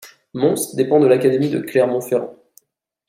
Mons dépend de l'académie de Clermont-Ferrand.